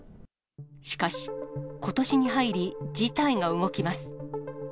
しかし、ことしに入り、事態が動きます。